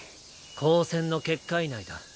高専の結界内だ。